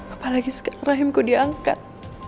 apalagi sekarang rahimku diangkat